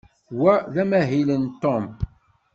Wa d amahil n Tom.